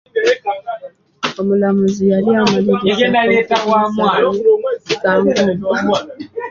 Omulamuzi yali amalirizza okuwa ensala ye ku musango ogwo.